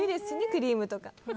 クリームとか。